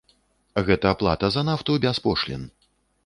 Гэта плата за нафту без пошлін.